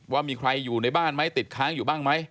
ว่ามีใครอยู่ในบ้านไหมติดค้างอยู่บ้างไหม